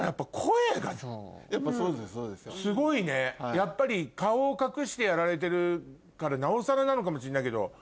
やっぱり顔を隠してやられてるからなおさらなのかもしれないけど。